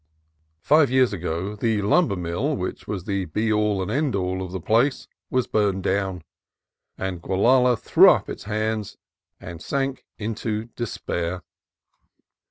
Five years ago the lumber mill, which was the be all and end all of the place, was burned down, and Gualala threw up its hands and sank into despair.